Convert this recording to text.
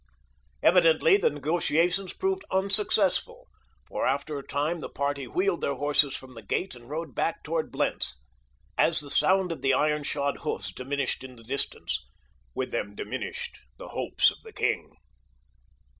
Evidently the negotiations proved unsuccessful for after a time the party wheeled their horses from the gate and rode back toward Blentz. As the sound of the iron shod hoofs diminished in the distance, with them diminished the hopes of the king.